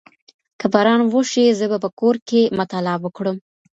که باران وشي زه به په کور کي مطالعه وکړم.